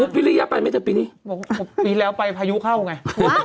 ผมปีแล้วไปพายุเข้าลงไง